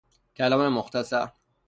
کلام مختصر